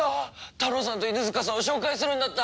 タロウさんと犬塚さんを紹介するんだった！